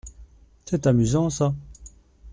C’est amusant ça.